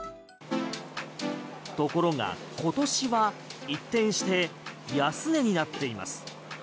ところが今年は一転して安値になっています。